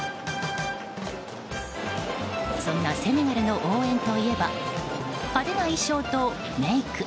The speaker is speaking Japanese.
そんなセネガルの応援といえば派手な衣装とメイク